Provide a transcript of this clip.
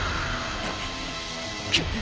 くっ。